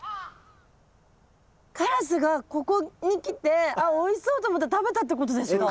カラスがここに来てあっおいしそうと思って食べたってことですか？